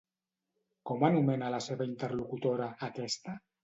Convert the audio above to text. Com anomena a la seva interlocutora, aquesta?